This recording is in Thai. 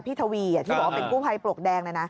พี่ทวีที่บอกว่าเป็นกู้ไพปลกแดง